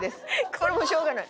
これもうしょうがない。